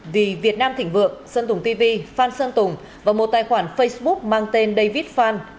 vì việt nam thịnh vượng sơn tùng tv phan sơn tùng và một tài khoản facebook mang tên david fan